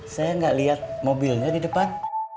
saya nggak lihat mobilnya di depan